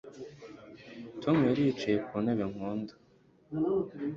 Tom yari yicaye ku ntebe nkunda